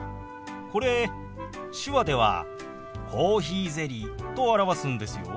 これ手話では「コーヒーゼリー」と表すんですよ。